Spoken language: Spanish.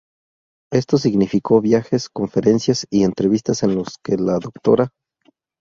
Esto significó viajes, conferencias y entrevistas en los que la Dra.